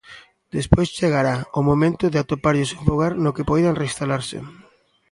Despois, chegará o momento de atoparlles un fogar no que poidan reinstalarse.